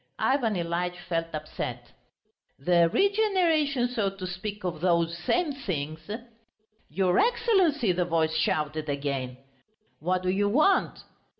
Ivan Ilyitch felt upset. "The regeneration, so to speak, of those same things." "Your Excellency!" the voice shouted again. "What do you want?"